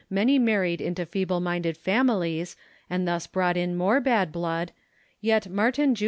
many married into feeble minded families and thus brought in more bad blood, yet Mar tin Jr.